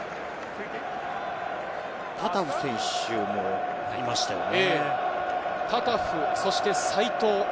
タタフ選手もいましたよね。